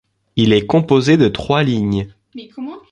Il est composé de trois lignes.